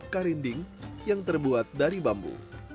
karinding yang terbuat dari bambu